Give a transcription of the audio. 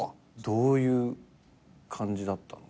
どういう感じだったの？